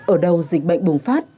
ở đầu dịch bệnh bùng phát